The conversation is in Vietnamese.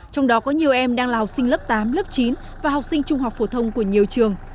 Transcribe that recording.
trong đó có nhiều em đang là học sinh lớp tám lớp chín và học sinh trung học phổ thông của nhiều trường